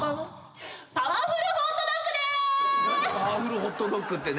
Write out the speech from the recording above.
パワフルホットドッグって。